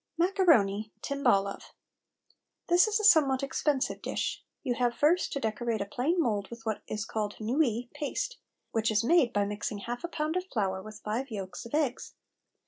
MACARONI, TIMBALE OF This is a somewhat expensive dish. You have first to decorate a plain mould with what is called nouilles paste, which is made by mixing half a pound of flour with five yolks of eggs.